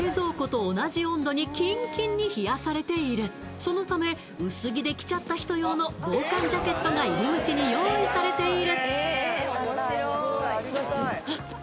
そのため薄着で来ちゃった人用の防寒ジャケットが入り口に用意されている。